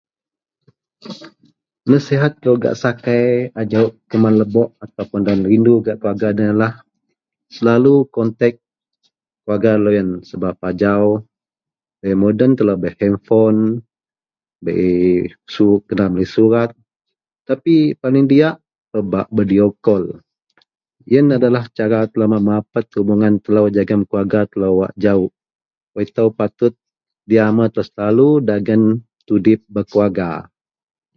Nasihat kou gak sakai a jawuk kuman lebok ataupun dan rindu gak keluarga deloyenlah, selalu kontek keluarga loyen sebab ajau bei moden, telou bei henpon, bei (se uu) kena menulih surat tapi paling diyak pebak bidio kol. Yen adalah cara telou merapet hubungan telou jegem keluarga telou wak jawuk. Wak itou patut diamel telou selalu dagen tudip bekeluarga